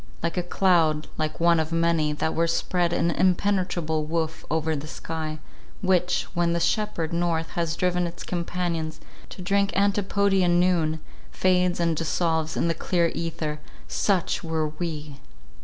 Like a cloud, like one of many that were spread in impenetrable woof over the sky, which, when the shepherd north has driven its companions "to drink Antipodean noon," fades and dissolves in the clear ether—Such were we!